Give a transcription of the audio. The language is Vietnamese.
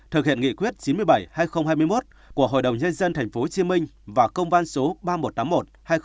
thực hiện nghị quyết chín mươi bảy hai nghìn hai mươi một của hội đồng nhân dân tp hcm và công văn số ba nghìn một trăm tám mươi một hai nghìn một mươi ba